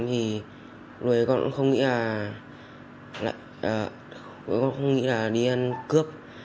thì lúc đấy con cũng không nghĩ là đi ăn cướp